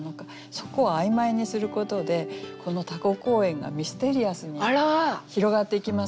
そこを曖昧にすることでこのタコ公園がミステリアスに広がっていきませんか？